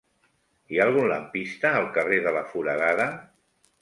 Hi ha algun lampista al carrer de la Foradada?